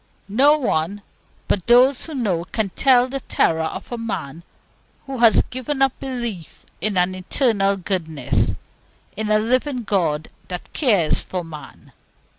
No one but those who know can tell the terror of a man who has given up belief in an Eternal Goodness, in a living God that cares for man.